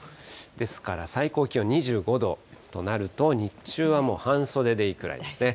ですから、最高気温２５度となると、日中はもう半袖でいいくらいですね。